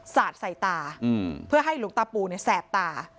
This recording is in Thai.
สาดใส่ตาเพื่อให้หลวงตาปูเนี่ยแสบตา